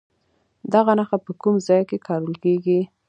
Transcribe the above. دغه نښه په کوم ځای کې کارول کیږي؟